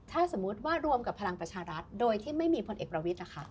ถ้าสมมุติว่ารวมกับพลังประชารัฐโดยที่ไม่มีพลเอกประวิทย์นะคะ